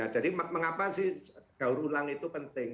jadi mengapa sih gaur ulang itu penting